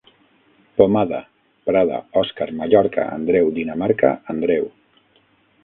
Pomada: Prada, Òscar, Mallorca, Andreu, Dinamarca, Andreu.